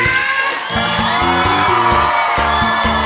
เพลงนี้สี่หมื่นบาทเอามาดูกันนะครับ